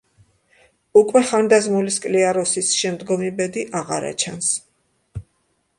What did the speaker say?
უკვე ხანდაზმული სკლიაროსის შემდგომი ბედი აღარა ჩანს.